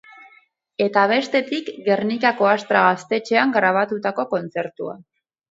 Eta bestetik Gernikako Astra Gaztetxean grabatutako kontzertua.